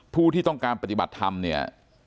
ผู้ที่ต้องการปฏิบัติธรรมเนี่ย